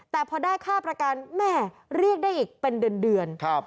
แต่พอได้ค่าประกันแม่เรียกได้อีกเป็นเดือน